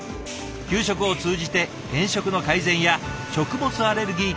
給食を通じて偏食の改善や食物アレルギー対策